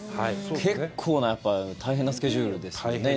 結構な大変なスケジュールですよね。